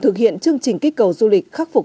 thực hiện chương trình kích cầu du lịch khắc phục